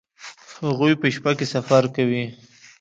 هغوی په شپه کې سفر کوي